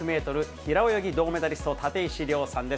平泳ぎ銅メダリスト、立石諒さんです。